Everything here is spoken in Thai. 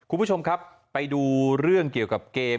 คุณผู้ชมครับไปดูเรื่องเกี่ยวกับเกม